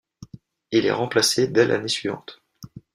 Il est remplacé dès l'année suivante.